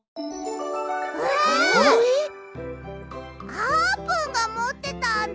あーぷんがもってたんだ！